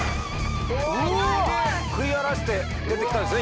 食い荒らして出てきたんですね